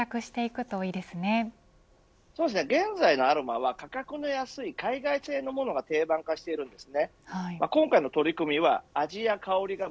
そうですね、現在のアロマは価格の安い海外製のものが定番化しているんですね。